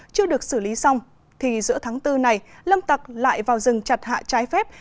chưa được xử lý xong thì giữa tháng bốn này lâm tặc lại vào rừng chặt hạ trái phép